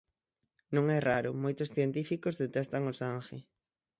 Non é raro, moitos científicos detestan o sangue.